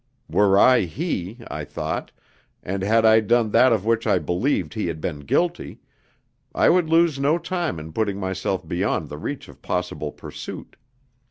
Were I he, I thought, and had I done that of which I believed he had been guilty, I would lose no time in putting myself beyond the reach of possible pursuit.